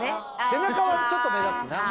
背中はちょっと目立つな。